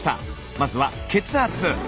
まずは血圧。